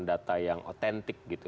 data yang otentik gitu